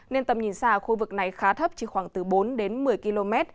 nên tầm nhìn xa khu vực này khá thấp chỉ khoảng từ bốn đến một mươi km